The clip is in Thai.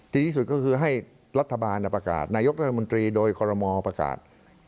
ดีที่สุดก็คือให้รัฐบาลประกาศนายกรัฐมนตรีโดยคอรมอลประกาศ